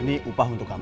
ini upah untuk kamu